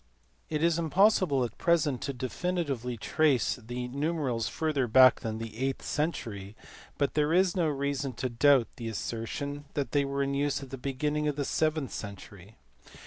It is impossible at present to definitely trace these numerals further back than the eighth century, but there is no reason to doubt the assertion that they were in use at the beginning of the seventh century.